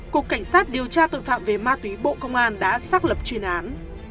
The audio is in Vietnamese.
cục cảnh sát điều tra tội phạm về ma túy bộ công an đã xác lập chuyên án